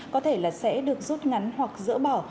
có thể là sẽ được rút ngắn hoặc dỡ bỏ